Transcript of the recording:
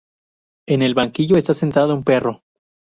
En el banquillo está sentado un perro.